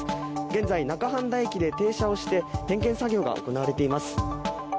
現在、中判田駅で停車して点検作業が行われています。